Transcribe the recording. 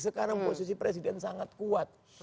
sekarang posisi presiden sangat kuat